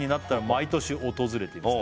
「毎年訪れています」